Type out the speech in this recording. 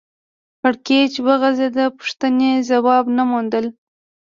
کړکېچ وغځېد پوښتنې ځواب نه موندل